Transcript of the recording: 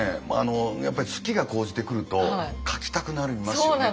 やっぱりね好きが高じてくると描きたくなりますよね。